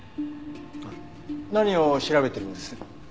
何を調べてるんです？